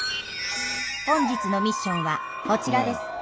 本日のミッションはこちらです。